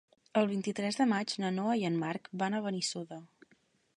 El vint-i-tres de maig na Noa i en Marc van a Benissoda.